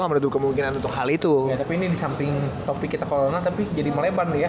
menutup kemungkinan untuk hal itu tapi ini di samping topik kita corona tapi jadi melebar ya